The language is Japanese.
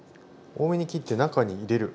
多めに切って中に入れる。